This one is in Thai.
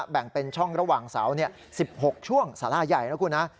แบ่งเป็นช่องระหว่างเสา๑๖ช่วงสาราใหญ่นะคุณนะ